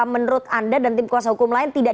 menurut anda dan tim kuasa hukum lain tidak